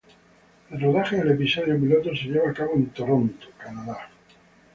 El rodaje del episodio piloto se llevó a cabo en Toronto, Canadá.